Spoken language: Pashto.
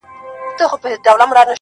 • حقيقت ورو ورو ورکيږي دلته,